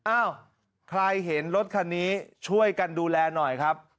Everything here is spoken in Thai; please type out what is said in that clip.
อ้าวใครเห็นรถคันนี้ช่วยกันดูแลหน่อยครับ